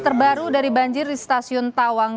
terbaru dari banjir di stasiun tawang